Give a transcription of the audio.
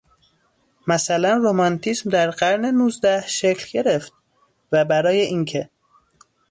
مثلاً رمانتیسم در قرن نوزده شکل گرفت و برای اینکه